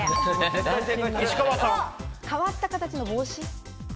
変わった形の帽子。